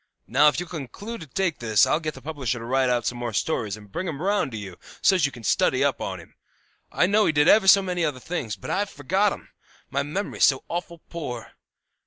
Now, if you'll conclude to take this I'll get the publisher to write out some more stories, and bring 'em round to you, so's you can study up on him. I know he did ever so many other things, but I've forgot 'em; my memory's so awful poor.